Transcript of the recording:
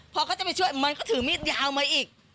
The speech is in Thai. พ่อก็จะไปช่วยเหมือนก็ถือมีดยาวมาอีก